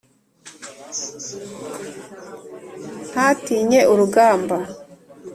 ntatinye urugamba